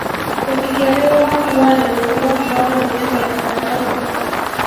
Hufikiriwa kuwa na minyoo au ni meno ya karatasi